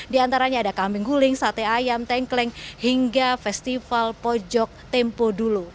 di antaranya ada kambing guling sate ayam tengkleng hingga festival pojok tempo dulu